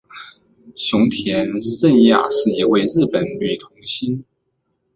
熊田圣亚是一位日本女童星。